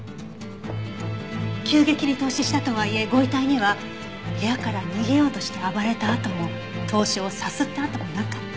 急激に凍死したとはいえご遺体には部屋から逃げようとして暴れた痕も凍傷をさすった痕もなかった。